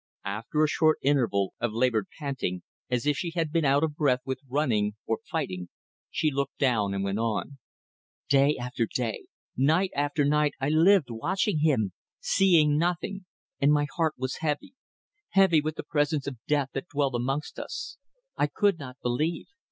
After a short interval of laboured panting, as if she had been out of breath with running or fighting, she looked down and went on "Day after day, night after night, I lived watching him seeing nothing. And my heart was heavy heavy with the presence of death that dwelt amongst us. I could not believe.